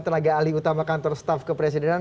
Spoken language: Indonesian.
tenaga ali utama kantor staf kepresidenan